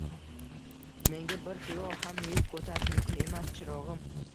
Menga bir kilo ham yuk ko`tarish mumkin emas, chirog`im